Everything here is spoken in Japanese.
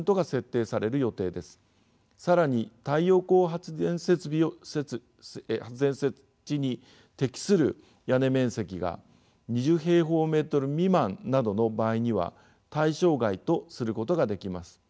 更に太陽光発電設置に適する屋根面積が２０平方メートル未満などの場合には対象外とすることができます。